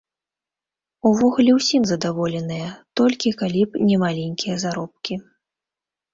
Увогуле ўсім задаволеныя, толькі калі б не маленькія заробкі.